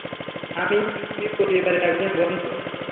আমি — আমি পরিবারের একজন বন্ধু।